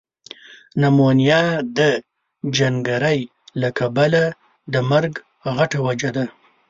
نمونیا ده جنګری له کبله ده مرګ غټه وجه ده۔